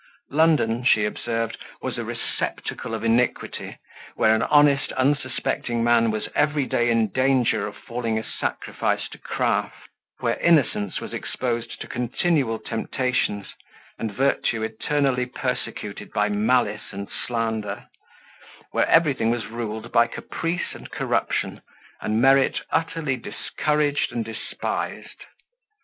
London, she observed, was a receptacle of iniquity, where an honest, unsuspecting man was every day in danger of falling a sacrifice to craft; where innocence was exposed to continual temptations, and virtue eternally persecuted by malice and slander; where everything was ruled by caprice and corruption, and merit utterly discouraged and despised.